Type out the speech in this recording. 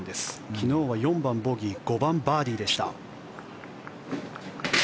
昨日は４番、ボギー５番、バーディーでした。